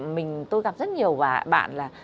mình tôi gặp rất nhiều bạn là